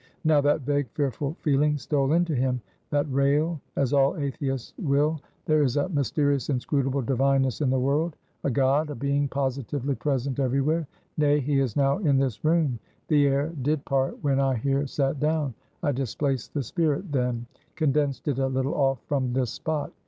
Now, that vague, fearful feeling stole into him, that, rail as all atheists will, there is a mysterious, inscrutable divineness in the world a God a Being positively present everywhere; nay, He is now in this room; the air did part when I here sat down. I displaced the Spirit then condensed it a little off from this spot.